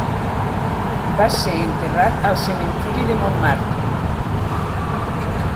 Va ser enterrat al cementiri de Montmartre.